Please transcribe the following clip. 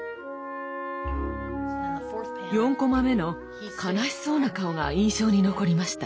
４コマ目の悲しそうな顔が印象に残りました。